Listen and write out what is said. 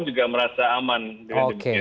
juga merasa aman oke